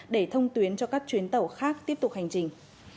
để thông tuyến cho các chuyến tàu khác tiếp tục hành trình